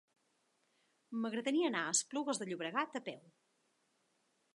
M'agradaria anar a Esplugues de Llobregat a peu.